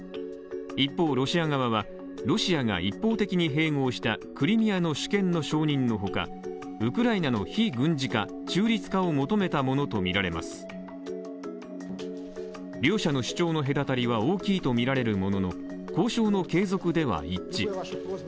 一方、ロシア側はロシアが一方的に併合したクリミアの主権の承認の他、ウクライナの非軍事化・中立化を求めたものとみられます。両者の主張の隔たりは大きいとみられるものの交渉の継続では一致。